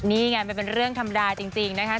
นี่ไงมันเป็นเรื่องธรรมดาจริงนะคะ